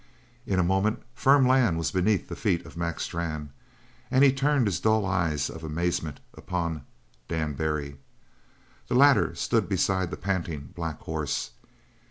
In a moment firm land was beneath the feet of Mac Strann, and he turned his dull eyes of amazement upon Dan Barry. The latter stood beside the panting black horse.